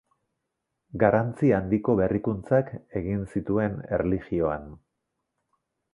Garrantzi handiko berrikuntzak egin zituen erlijioan.